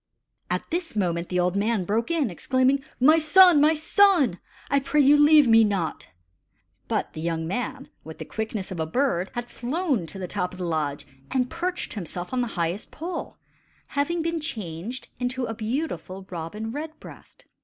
At this moment the old man broke in, exclaiming: "My son! my son! I pray you leave me not!" But the young man, with the quickness of a bird, had flown to the top of the lodge and perched himself on the highest pole, having been changed into a beautiful robin red breast.